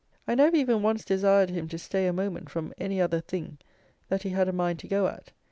I never even once desired him to stay a moment from any other thing that he had a mind to go at.